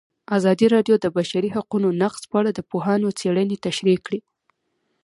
ازادي راډیو د د بشري حقونو نقض په اړه د پوهانو څېړنې تشریح کړې.